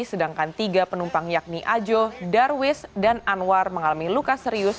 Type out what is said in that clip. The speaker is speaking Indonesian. sedangkan tiga penumpang yakni ajo darwis dan anwar mengalami luka serius